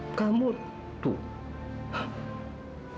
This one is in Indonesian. muka kamu capek sekali kelihatannya